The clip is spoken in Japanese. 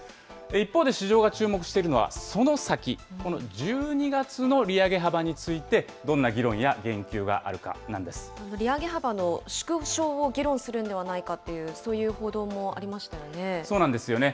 一方で市場が注目しているのは、その先、この１２月の利上げ幅について、利上げ幅の縮小を議論するんではないかという、そういう報道もありましたよね。